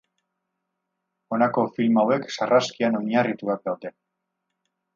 Honako film hauek sarraskian oinarrituak daude.